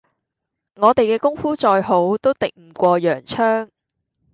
我哋嘅功夫再好，都敵唔過洋槍